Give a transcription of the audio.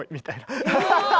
アハハハハ！